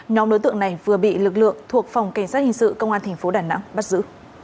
nhóm đối tượng này vừa bị lực lượng thuộc phòng cảnh sát hình sự công an thành phố đà nẵng bắt giữ